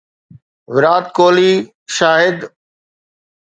Virat Kohli Shahid